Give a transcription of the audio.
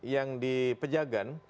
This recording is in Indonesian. yang di pejagan